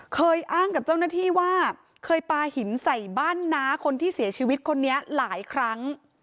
เคยอ้างกับเจ้าหน้าที่ว่าเคยปลาหินใส่บ้านน้าคนที่เสียชีวิตคนนี้หลายครั้ง